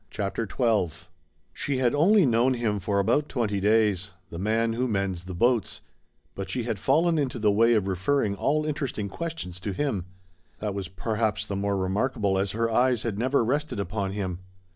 CHAPTER XII She had only known him for about twenty days "The man who mends the boats" but she had fallen into the way of referring all interesting questions to him. That was perhaps the more remarkable as her eyes had never rested upon him.